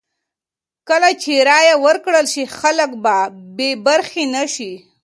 کله چې رایه ورکړل شي، خلک به بې برخې نه شي.